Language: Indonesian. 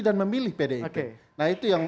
dan memilih pdip nah itu yang